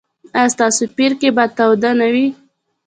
ایا ستاسو پیرکي به تاوده نه وي؟